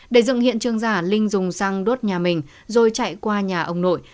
để dựng hiện trường giả linh dùng xăng đốt nhà mình rồi chạy qua nhà ông nội